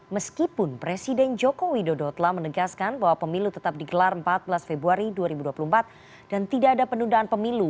meskipun presiden joko widodo telah menegaskan bahwa pemilu tetap digelar empat belas februari dua ribu dua puluh empat dan tidak ada penundaan pemilu